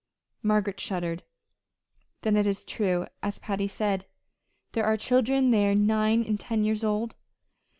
Margaret shuddered. "Then it is true, as Patty said. There are children there nine and ten years old!"